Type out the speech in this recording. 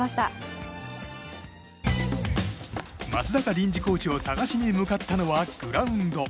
臨時コーチを探しに向かったのはグラウンド。